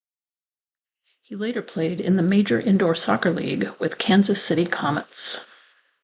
He later played in the Major Indoor Soccer League with Kansas City Comets.